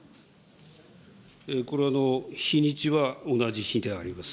これは日にちは同じ日であります。